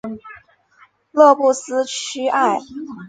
勒布斯屈埃。